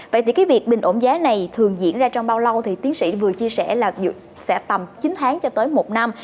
vậy thì cái việc bình ổn giá này thường diễn ra trong bao lâu thì tiến sĩ vừa chia sẻ là sẽ tầm chín tháng cho tới một năm